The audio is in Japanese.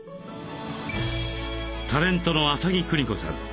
タレントの麻木久仁子さん。